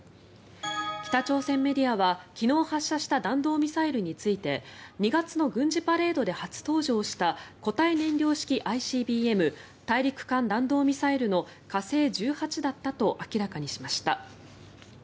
北朝鮮メディアは昨日発射した弾道ミサイルについて２月の軍事パレードで初登場した固体燃料式ＩＣＢＭ・大陸間弾道ミサイルの火星１８だったと明らかにしました。